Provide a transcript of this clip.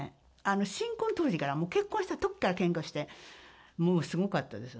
新婚当時から、もう結婚したときからけんかしてもうすごかったです。